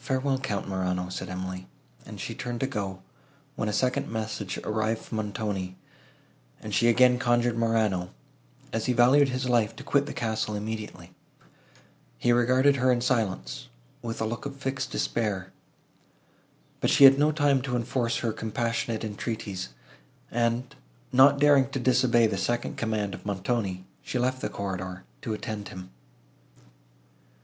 "Farewell, Count Morano!" said Emily; and she turned to go, when a second message arrived from Montoni, and she again conjured Morano, as he valued his life, to quit the castle immediately. He regarded her in silence, with a look of fixed despair. But she had no time to enforce her compassionate entreaties, and, not daring to disobey the second command of Montoni, she left the corridor, to attend him.